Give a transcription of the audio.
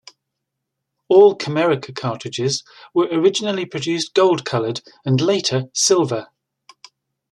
All Camerica cartridges were originally produced gold colored, and later silver.